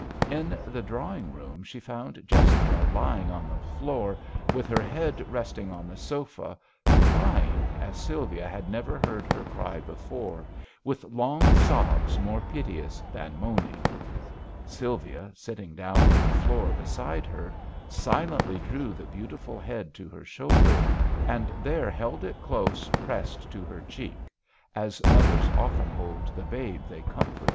In the drawing room she found Jessica lying upon the floor with her head resting on the sofa, crying as Sylvia had never heard her cry before, with long sobs more piteous than moaning. Sylvia, sitting down on the floor beside her, silently drew the beautiful head to her shoulder, and there held it close pressed to her cheek, as mothers often bold the babe they comfort.